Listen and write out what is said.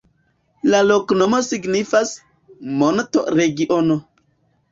La loknomo signifas: monto-regiono.